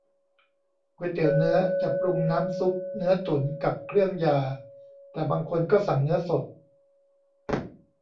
ก๋วยเตี๋ยวเนื้อ จะปรุงน้ำซุปเนื้อตุ๋นกับเครื่องยา แต่บางคนก็สั่งเนื้อสด